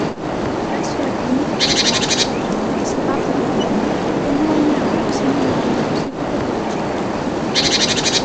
Presso la clinica psichiatrica dell'università patavina tenne ogni anno seminari di psicopatologia.